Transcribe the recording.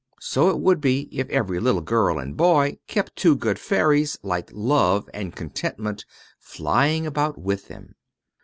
So it would be if every little girl and boy kept two good fairies, like Love and Contentment, flying about with them.